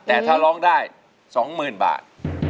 แต่ถ้าร้องได้สองหมื่นบาท